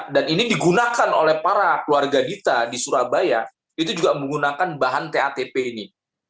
dan ini digunakan oleh para keluarga kita di surabaya itu juga menggunakan bahan tatp ini